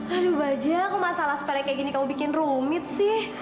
aduh baja aku masalah sepele kayak gini kamu bikin rumit sih